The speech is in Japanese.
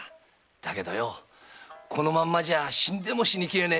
だけどこのままじゃ死んでも死にきれねえ。